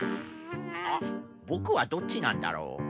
あっボクはどっちなんだろう？